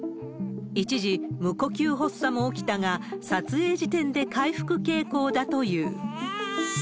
一時、無呼吸発作も起きたが、撮影時点で回復傾向だという。